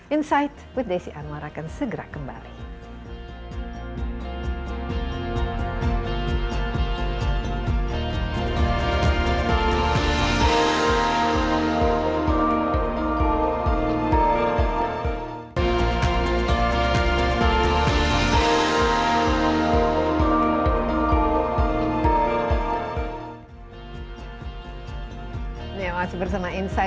insight with desy anwar akan segera kembali